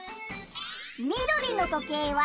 みどりのとけいは「で」